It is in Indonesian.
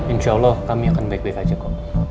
insya allah kami akan baik baik aja kok